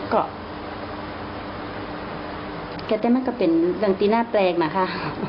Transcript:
ก็แต่มันเหมือนก็เป็นเรื่องที่หน้าแปลกมาค่ะ